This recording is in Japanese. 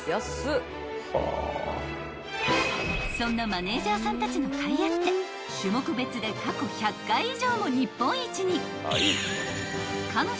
［そんなマネージャーさんたちのかいあって種目別で過去１００回以上も日本一に］